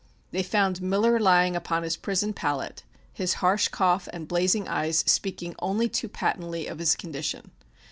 They found Miller lying upon his prison pallet, his harsh cough and blazing eyes speaking only too patently of his condition.